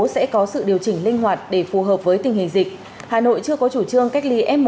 sẽ có sự điều chỉnh linh hoạt để phù hợp với tình hình dịch hà nội chưa có chủ trương cách ly f một